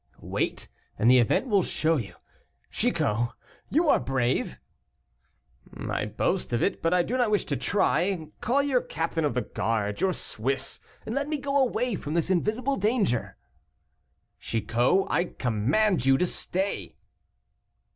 "Wait, and the event will show you. Chicot, you are brave!" "I boast of it, but I do not wish to try. Call your captain of the guard, your Swiss, and let me go away from this invisible danger." "Chicot, I command you to stay."